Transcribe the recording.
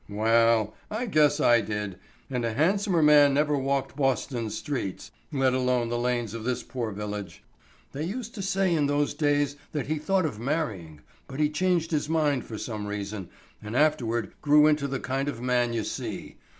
"Wa'al, I guess I did, and a handsomer man never walked Boston streets, let alone the lanes of this poor village. They used to say in those days that he thought of marrying, but he changed his mind for some reason, and afterward grew into the kind of man you see.